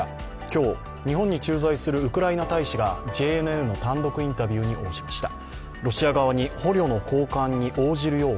今日、日本に駐在するウクライナ大使がＪＮＮの単独インタビューに応じました。